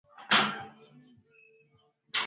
anamsubiri daktari wa mifugo kuangalia ngombe wa familia